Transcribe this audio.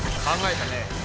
考えたね。